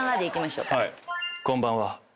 「こんばんは」。